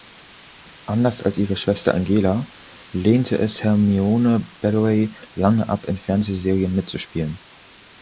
Anders als ihre Schwester Angela lehnte es Hermione Baddeley lange ab, in Fernsehserien mitzuspielen.